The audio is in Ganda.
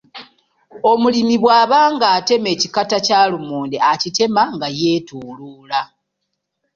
Omulimi bw'aba ng’atema ekikata kya lumonde; akitema nga yeetooloola.